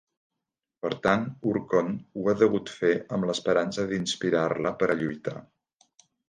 Per tant, Urkonn ho ha degut fer, amb l'esperança d'inspirar-la per a lluitar.